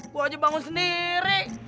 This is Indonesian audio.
gue aja bangun sendiri